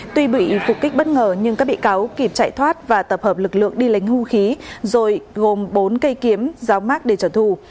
tuy bị phục kích bất ngờ nhưng các bị cáo kịp chạy thoát và tập hợp lực lượng đi lấy hung khí rồi gồm bốn cây kiếm dao mát để trả thù